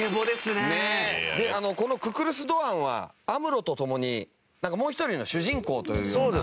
このククルス・ドアンはアムロと共にもう一人の主人公というような。